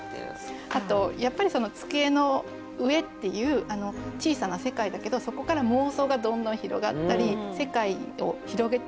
あとやっぱり机の上っていう小さな世界だけどそこから妄想がどんどん広がったり世界を広げていける。